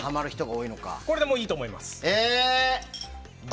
これでいいと思います。